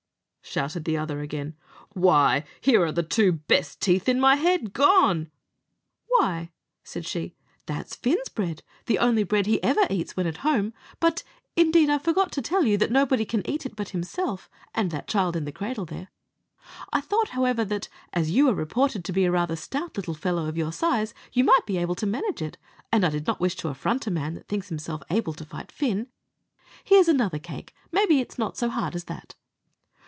shouted the other again; "why, here are the two best teeth in my head gone." "Why," said she, "that's Fin's bread the only bread he ever eats when at home; but, indeed, I forgot to tell you that nobody can eat it but himself, and that child in the cradle there. I thought, however, that, as you were reported to be rather a stout little fellow of your size, you might be able to manage it, and I did not wish to affront a man that thinks himself able to fight Fin. Here's another cake maybe it's not so hard as that."